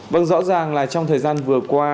vâng rõ ràng là trong thời gian vừa qua